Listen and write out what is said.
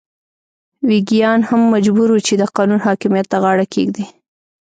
ویګیان هم مجبور وو چې د قانون حاکمیت ته غاړه کېږدي.